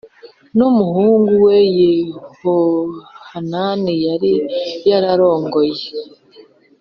n umuhungu we Yehohanani yari yararongoye